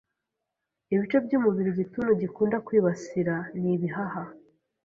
Ibice by’umubiri igituntu gikunda kwibasira ni ibihaha